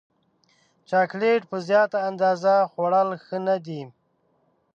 چاکلېټ په زیاته اندازه خوړل ښه نه دي.